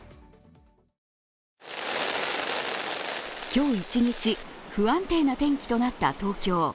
今日一日、不安定な天気となった東京。